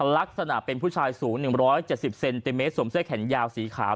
ลักษณะเป็นผู้ชายสูงหนึ่งร้อยเจ็ดสิบเซนติเมตรสวมเสื้อแขนยาวสีขาว